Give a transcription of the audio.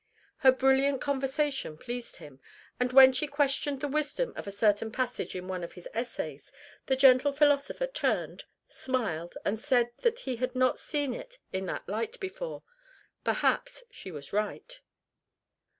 Her brilliant conversation pleased him, and when she questioned the wisdom of a certain passage in one of his essays the gentle philosopher turned, smiled, and said that he had not seen it in that light before; perhaps she was right.